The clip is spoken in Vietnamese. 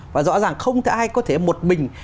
và rõ ràng không ai có thể một mình